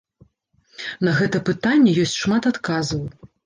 На гэта пытанне ёсць шмат адказаў.